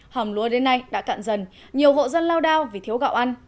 hòm lúa đến nay đã cạn dần nhiều hộ dân lao đao vì thiếu gạo ăn